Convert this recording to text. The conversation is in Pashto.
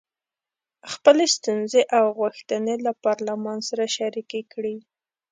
خپلې ستونزې او غوښتنې له پارلمان سره شریکې کړي.